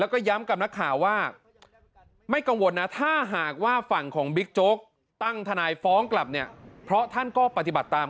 ของกฎหมายทุกอย่างครับคุณผู้ชม